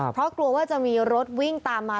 เพราะกลัวว่าจะมีรถวิ่งตามมา